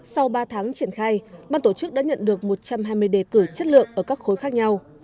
sau ba tháng triển khai ban tổ chức đã nhận được một trăm hai mươi đề cử chất lượng ở các khối khác nhau